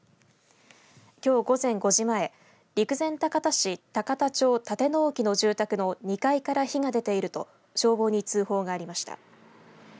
きょう、午前５時前陸前高田市高田町館の沖の住宅の２階から火が出ていると消防に通報がありました。